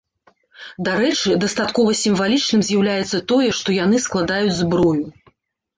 Дарэчы, дастаткова сімвалічным з'яўляецца тое, што яны складаюць зброю.